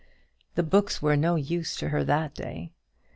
The books were no use to her that day.